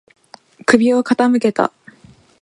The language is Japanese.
首を傾けた。